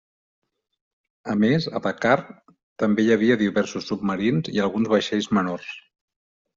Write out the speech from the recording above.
A més, a Dakar també hi havia diversos submarins i alguns vaixells menors.